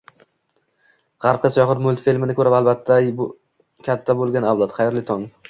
G'arbga Sayohat mutlfilmini ko'rib katta bo'lgan avlod, xayrli tong!